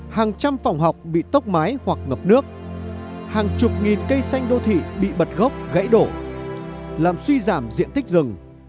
hàng trăm phòng học bị tốc mái hoặc ngập nước hàng chục nghìn cây xanh đô thị bị bật gốc gãy đổ làm suy giảm diện tích rừng